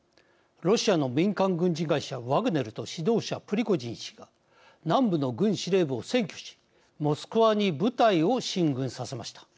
ロシアの民間軍事会社ワグネルと指導者プリゴジン氏が南部の軍司令部を占拠しモスクワに部隊を進軍させました。